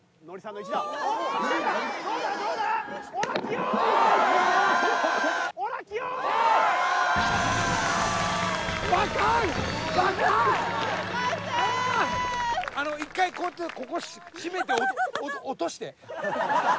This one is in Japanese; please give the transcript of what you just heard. １回こうやってここ絞めて落として。